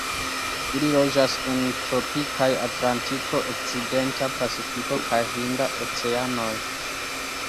Ili loĝas en tropikaj Atlantiko, okcidenta Pacifiko kaj Hinda Oceanoj.